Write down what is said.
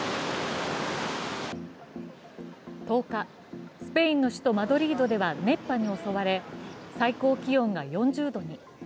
１０日、スペインの首都マドリードでは熱波に襲われ最高気温が４０度に。